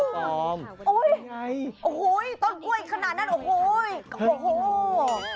ต้นกล้วยขนาดนั้นโอ้โห